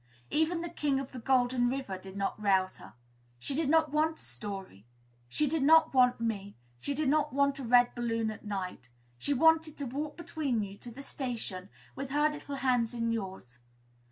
Even "The King of the Golden River" did not rouse her: she did not want a story; she did not want me; she did not want a red balloon at night; she wanted to walk between you, to the station, with her little hands in yours!